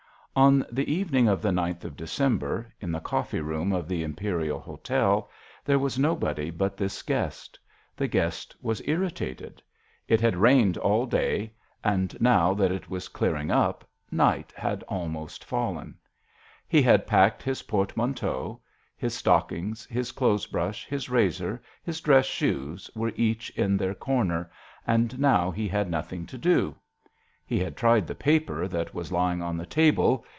On the evening of the gth of December, in the coffee room of the Imperial Hotel, there was nobody but this guest. The guest was irritated. It had rained all day, and now that it JOHN SHERMAN. was clearing up night had al most fallen. He had packed his portmanteau: his stockings, his clothes brush, his razor, his dress shoes were each in their corner, and now he had nothing to do. He had tried the paper that was lying on the table.